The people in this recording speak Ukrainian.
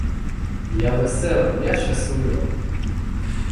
Я весела, я щаслива.